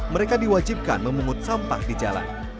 mereka diwajibkan memungut sampah di jalan